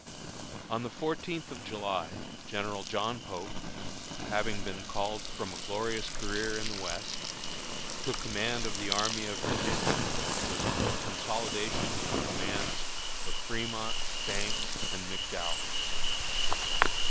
On the fourteenth of July, General John Pope, having been called from a glorious career in the West, took command of the Army of Virginia, which was a consolidation of the commands of Fremont, Banks, and McDowell.